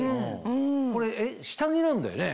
これ下着なんだよね？